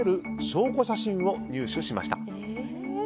証拠写真を入手しました。